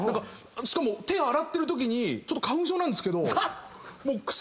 しかも手洗ってるときに花粉症なんですけど。